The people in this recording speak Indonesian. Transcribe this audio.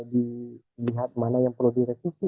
dilihat mana yang perlu direvisi